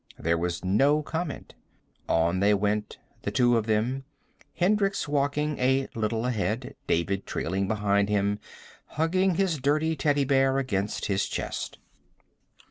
There was no comment. On they went, the two of them, Hendricks walking a little ahead, David trailing behind him, hugging his dirty teddy bear against his chest.